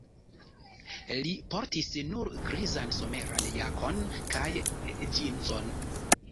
Li portis nur grizan someran jakon kaj ĝinzon.